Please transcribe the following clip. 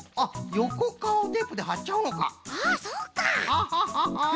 ハハハハ！